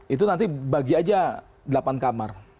itu nanti bagi aja delapan kamar